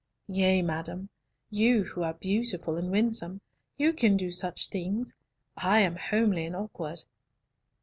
"Yea, madam, you who are beautiful and winsome, you can do such things, I am homely and awkward."